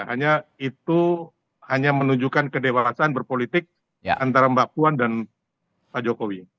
hanya itu hanya menunjukkan kedewasaan berpolitik antara mbak puan dan pak jokowi